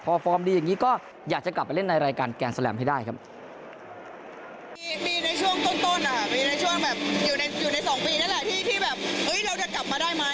พอฟอร์มดีอย่างนี้ก็อยากจะกลับไปเล่นในรายการแกนสแลมให้ได้ครับ